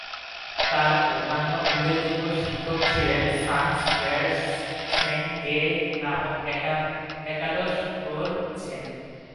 তার অন্যান্য উল্লেখযোগ্য শিক্ষক ছিলেন সাংস-র্গ্যাস-সেং-গে নামক একাদশ ঙ্গোর-ছেন।